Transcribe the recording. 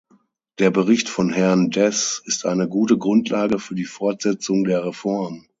Der Bericht von Herrn Deß ist eine gute Grundlage für die Fortsetzung der Reform.